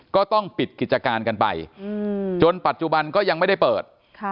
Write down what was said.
ก็ต้องปิดกิจการกันไปจนปัจจุบันก็ยังไม่ได้เปิด